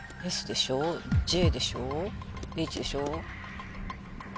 ＪでしょＨでしょ。